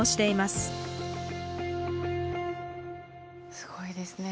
すごいですね。